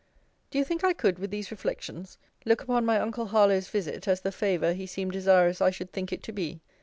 Do you think I could, with these reflections, look upon my uncle Harlowe's visit as the favour he seemed desirous I should think it to be?